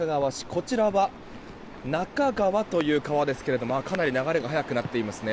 こちらは那珂川という川ですがかなり流れが速くなっていますね。